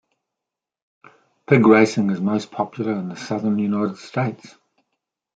Pig-racing is most popular in the Southern United States.